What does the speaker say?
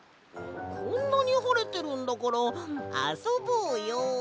こんなにはれてるんだからあそぼうよ！